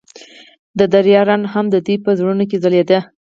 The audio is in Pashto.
د دریا رڼا هم د دوی په زړونو کې ځلېده.